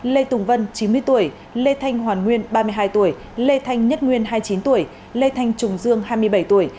lê tùng vân chín mươi tuổi lê thanh hoàn nguyên ba mươi hai tuổi lê thanh nhất nguyên hai mươi chín tuổi lê thanh trùng dương hai mươi bảy tuổi